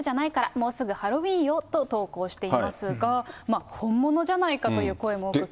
もうすぐハロウィーンよと投稿していますが、本物じゃないかという声も多く聞かれました。